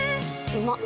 うまっ！